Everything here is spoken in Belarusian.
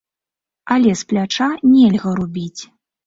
Але з пляча нельга рубіць.